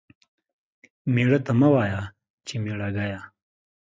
ميړه ته مه وايه چې ميړه گيه.